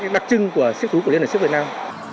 đặc trưng của siếc chú của liên hợp siếc việt nam